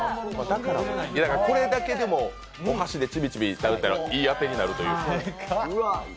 これだけでもお箸でちびちび食べたらいいあてになる。